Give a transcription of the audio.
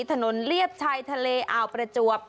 เลียบชายทะเลอ่าวประจวบ